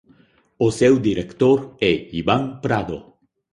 O seu director é Iván Prado.